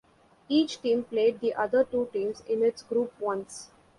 Each team played the other two teams in its group once.